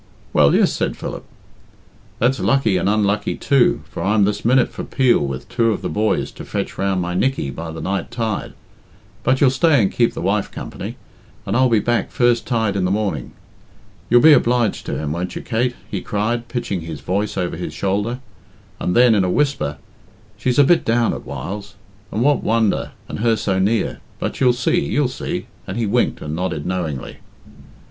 "Well, yes," said Philip. "That's lucky and unlucky too, for I'm this minute for Peel with two of the boys to fetch round my Nickey by the night tide. But youll stay and keep the wife company, and I'll be back first tide in the morning. You'll be obliged to him, won't you, Kate?" he cried, pitching his voice over his shoulder; and then, in a whisper, "She's a bit down at whiles, and what wonder, and her so near but you'll see, you'll see," and he winked and nodded knowingly.